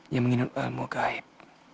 yang mengingat ilmu gaib